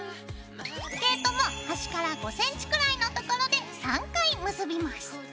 毛糸も端から５ｃｍくらいの所で３回結びます。